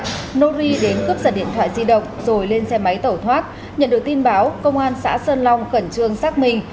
trước đó nori đến cướp giật điện thoại di động rồi lên xe máy tẩu thoát nhận được tin báo công an xã sơn long khẩn trương xác minh